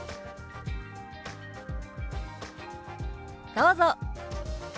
どうぞ。